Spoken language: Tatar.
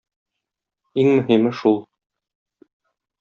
Иң мөһиме шул.